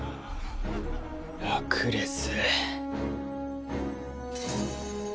ラクレス！